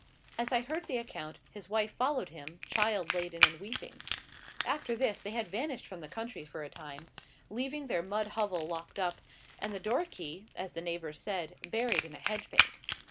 As I heard the account, his wife followed him, child laden and weeping. After this, they had vanished from the country for a time, leaving their mud hovel locked up, and the door key, as the neighbours said, buried in a hedge bank.